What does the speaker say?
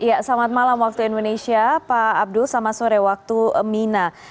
ya selamat malam waktu indonesia pak abdul selamat sore waktu mina